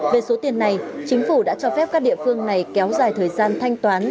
về số tiền này chính phủ đã cho phép các địa phương này kéo dài thời gian thanh toán